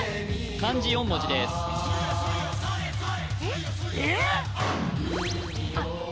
漢字４文字ですえっ！？